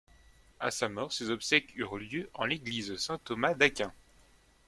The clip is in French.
À sa mort, ses obsèques eurent lieu en l’Église Saint-Thomas-d'Aquin.